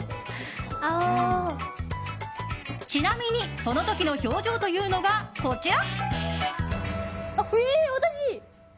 ちなみにその時の表情というのがこちら。